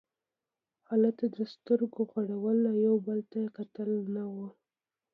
هلته د سترګو غړول او یو بل ته کتل نه وو.